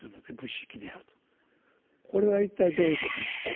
これは一体どういうことなのか。